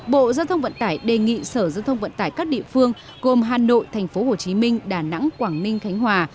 bộ giao thông vận tải đề nghị sở giao thông vận tải các địa phương gồm hà nội tp hcm đà nẵng quảng ninh khánh hòa